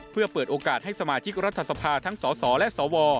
เพื่อเปิดโอกาสให้สมาชิกรัฐสภาทั้งสสและสว